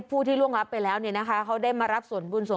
ผู้ที่ล่วงรับไปแล้วเนี่ยนะคะเขาได้มารับส่วนบุญสง